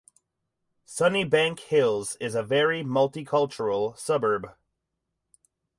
Sunnybank Hills is a very multicultural suburb.